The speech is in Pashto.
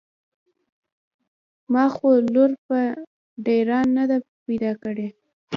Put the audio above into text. ما خو لور په ډېران نده پيدا کړې.